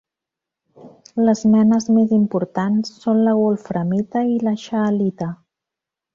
Les menes més importants són la wolframita i la scheelita.